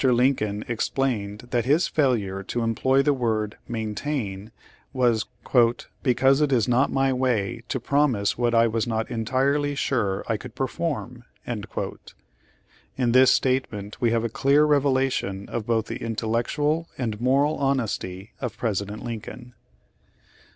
Lincoln ex plained that his failure to employ the word "main tain," was "because it is not my way to promise what I was not entirely sure I could perform." In this statement we have a clear revelation of both the intellectual and moral honesty of Presi dent Lincoln.